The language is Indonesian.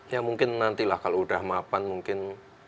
ya mungkin nantilah kalau udah mapan mungkin